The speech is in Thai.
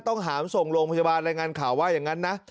หามส่งโรงพยาบาลรายงานข่าวว่าอย่างนั้นนะ